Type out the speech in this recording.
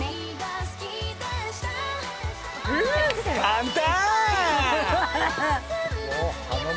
簡単！